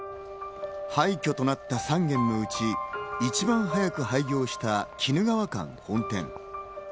廃虚となった３軒のうち、一番早く廃業した、きぬ川館本店。